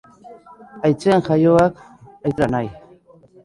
Haitzean jaioak haitzera nahi.